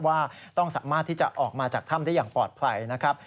ว่าต้องสามารถที่จะออกมาจากถ้ำได้อย่างปลอดภัยนะครับ